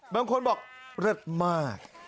บางคนบอกเลิศมาก